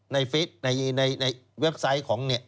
ในเฟสในเว็บไซต์ของนี่